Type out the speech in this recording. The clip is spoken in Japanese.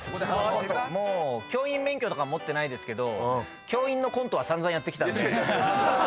教員免許とか持ってないですけど教員のコントは散々やってきたんで。